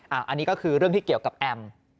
อันนี้ก็คือเรื่องที่เกี่ยวกับแอม